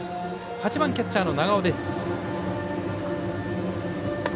８番、キャッチャーの長尾。